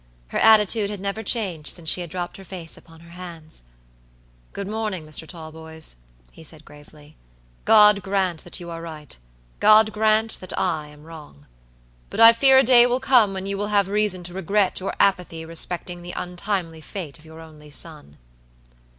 Her attitude had never changed since she had dropped her face upon her hands. "Good morning, Mr. Talboys," he said, gravely. "God grant that you are right. God grant that I am wrong. But I fear a day will come when you will have reason to regret your apathy respecting the untimely fate of your only son."